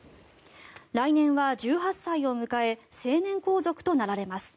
来年は１８歳を迎え成年皇族となられます。